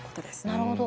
なるほど。